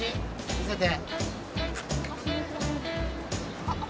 見せて。